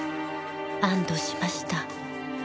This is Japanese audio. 安堵しました。